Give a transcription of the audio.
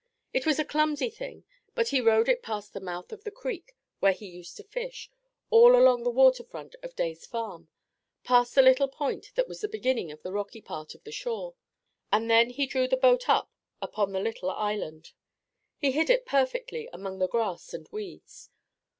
It was a clumsy thing, but he rowed it past the mouth of the creek where he used to fish, all along the water front of Day's farm, past the little point that was the beginning of the rocky part of the shore, and then he drew the boat up upon the little island. He hid it perfectly among the grass and weeds.